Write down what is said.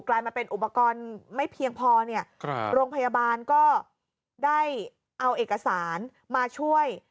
ลายมาเป็นอุปกรณ์ไม่เพียงพอเนี่ยโรงพยาบาลก็ได้เอาเอกสารมาช่วย